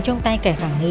trong tay kẻ khẳng nghi